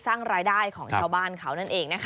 สร้างรายได้ของชาวบ้านเขานั่นเองนะคะ